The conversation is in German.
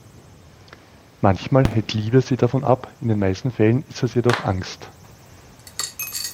Manchmal hält Liebe sie davon ab, in den meisten Fällen ist es jedoch Angst.